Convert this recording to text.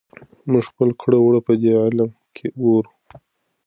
موږ خپل کړه وړه پدې علم کې ګورو.